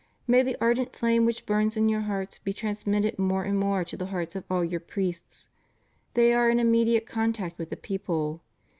May the ardent flame which burns in your hearts be trans mitted more and more to the hearts of all your priests. They are in immediate contact with the people.